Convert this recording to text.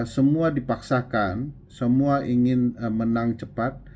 semua dipaksakan semua ingin menang cepat